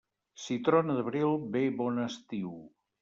Si trona d'abril, ve bon estiu.